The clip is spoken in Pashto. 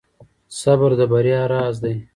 • صبر د بریا راز دی.